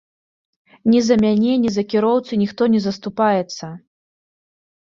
Ні за мяне, ні за кіроўцу ніхто не заступаецца.